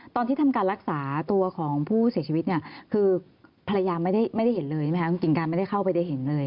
ตอนที่ทำการรักษาตัวของผู้เสียชีวิตเนี่ยคือภรรยาไม่ได้เห็นเลยใช่ไหมคะคุณกิ่งการไม่ได้เข้าไปได้เห็นเลย